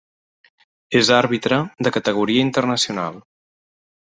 És àrbitre de categoria internacional.